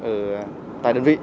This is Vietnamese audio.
ở tại đơn vị